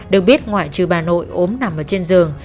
được biết ngoại trừ bà nội ốm nằm ở trên giường